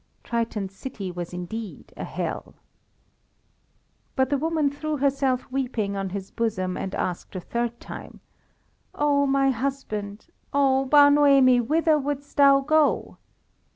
Triton's city was indeed a hell. But the woman threw herself weeping on his bosom, and asked a third time "Oh, my husband! Oh, Bar Noemi, whither wouldst thou go?"